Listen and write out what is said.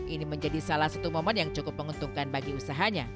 ini menjadi salah satu momen yang cukup menguntungkan bagi usahanya